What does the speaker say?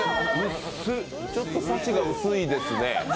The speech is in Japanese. ちょっと幸が薄いですね。